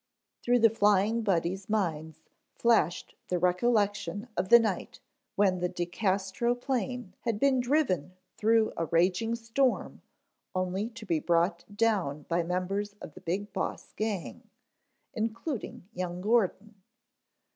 Through the Flying Buddies' minds flashed the recollection of the night when the De Castro plane had been driven through a raging storm only to be brought down by members of the Big Boss' gang, including young Gordon.